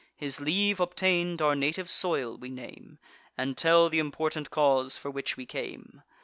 His leave obtain'd, our native soil we name, And tell th' important cause for which we came.